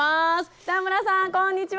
北村さんこんにちは！